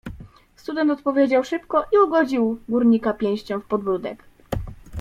"Student odpowiedział szybko i ugodził górnika pięścią w podbródek."